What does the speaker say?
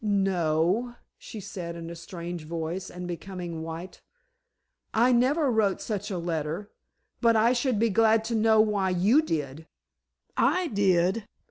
"No," she said in a strange voice and becoming white, "I never wrote such a letter; but I should be glad to know why you did." "I did?"